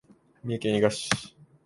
三重県伊賀市